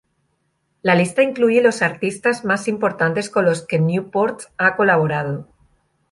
La lista incluye los artistas más importantes con los que Newport ha colaborado.